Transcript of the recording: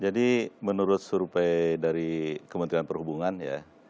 jadi menurut surupai dari kementerian perhubungan ya